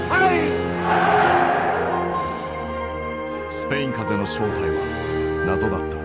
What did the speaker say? スペイン風邪の正体は謎だった。